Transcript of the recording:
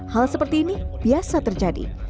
hal seperti ini biasa terjadi